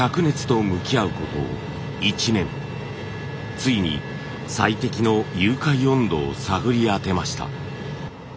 ついに最適の融解温度を探り当てました。